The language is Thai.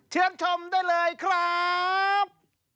เชิญชมได้เลยครับ